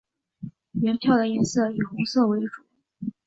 原票的颜色以红色为主。